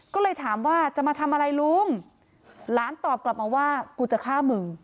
ก็เลยถามว่าจะมาทำอะไรลุงหลานตอบกลับมาว่ากูจะฆ่ามึง